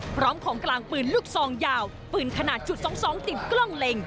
พร้อมของกลางปืนลูกซองยาวปืนขนาดจุด๒๒ติดกล้องเล็ง